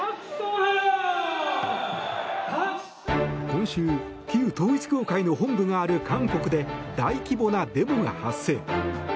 今週、旧統一教会の本部がある韓国で大規模なデモが発生。